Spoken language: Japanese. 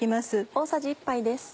大さじ１杯です。